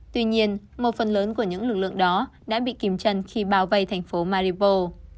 tuy nhiên một phần lớn của những lực lượng đó đã bị kìm chân khi bao vây thành phố maripo